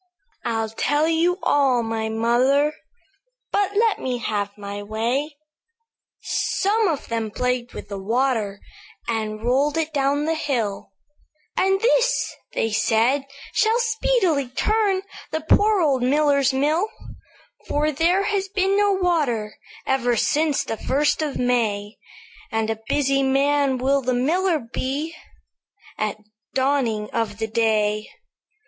"I'll tell you all, my mother; But let me have my way. "Some of them played with the water, And rolled it down the hill; 'And this,' they said, 'shall speedily turn The poor old miller's mill; "'For there has been no water Ever since the first of May; And a busy man will the miller be At dawning of the day.